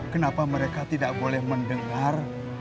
kenapa mereka tidak boleh mendengar